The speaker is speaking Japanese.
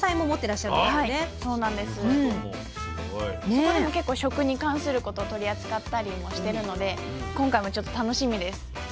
そこでも結構食に関することを取り扱ったりもしてるので今回もちょっと楽しみです。